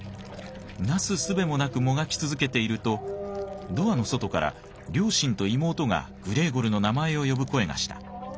なすすべもなくもがき続けているとドアの外から両親と妹がグレーゴルの名前を呼ぶ声がした。